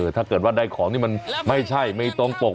ถ้าเกิดว่าได้ของที่มันไม่ใช่ไม่ตรงปก